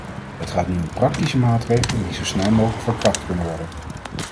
Het gaat nu om praktische maatregelen die zo snel mogelijk van kracht kunnen worden.